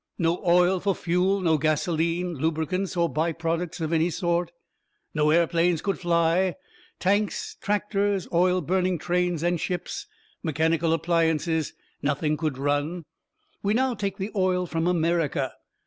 No oil for fuel; no gasoline, lubricants or by products of any sort. No airplanes could fly; tanks, tractors, oil burning trains and ships; mechanical appliances nothing could run. We now take the oil from America.